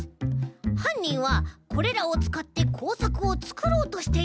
はんにんはこれらをつかってこうさくをつくろうとしていた。